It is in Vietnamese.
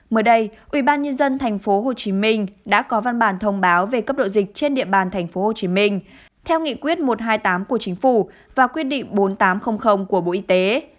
mới đây ubnd tp hcm đã có văn bản thông báo về cấp độ dịch trên địa bàn tp hcm theo nghị quyết một trăm hai mươi tám của chính phủ và quyết định bốn nghìn tám trăm linh của bộ y tế